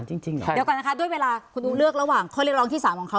เน้นบวกเข้าไปคือคุณเล่าตามที่คุณอยากจะเล่า